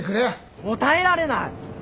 もう耐えられない！